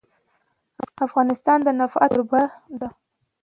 افغانستان د نفت کوربه دی.